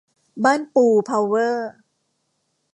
บ้านปู เพาเวอร์